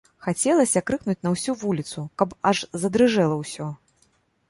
Хацелася крыкнуць на ўсю вуліцу, каб аж задрыжэла ўсё.